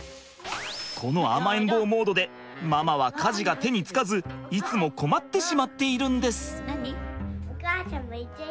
この甘えん坊モードでママは家事が手につかずいつも困ってしまっているんです。